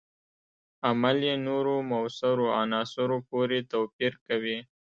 عمل یې نورو موثرو عناصرو پورې توپیر کوي.